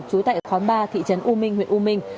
trú tại khóm ba thị trấn u minh huyện u minh